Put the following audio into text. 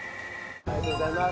ありがとうございます。